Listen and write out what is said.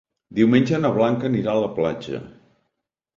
Diumenge na Blanca anirà a la platja.